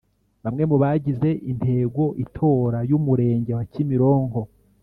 Bamwe mu bagize intego itora y’umurenge wa Kimironko